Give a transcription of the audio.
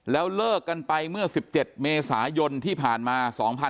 แล้วเลิกกันไปเมื่อ๑๗เมษายนที่ผ่านมา๒๕๖๒